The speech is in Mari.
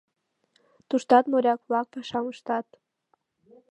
Туштат моряк-влак пашам ыштат.